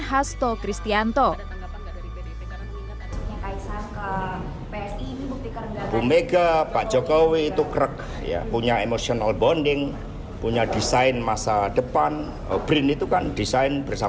pdi perjuangan hasto kristianto